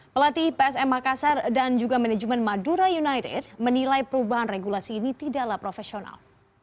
pelatih psm makassar dan juga manajemen madura united menilai perubahan regulasi ini tidaklah profesional